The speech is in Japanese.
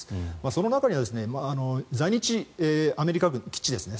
その中には在日アメリカ軍の基地ですね